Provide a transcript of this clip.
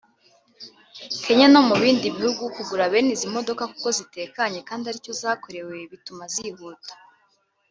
Kenya no mu bindi bihugu kugura bene izi modoka kuko zitekanye kandi aricyo zakorewe bituma zihuta